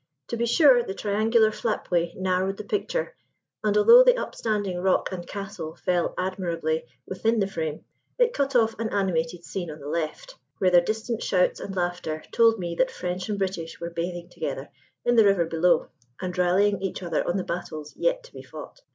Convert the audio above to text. To be sure, the triangular flapway narrowed the picture, and although the upstanding rock and castle fell admirably within the frame, it cut off an animated scene on the left, where their distant shouts and laughter told me that French and British were bathing together in the river below and rallying each other on the battles yet to be fought.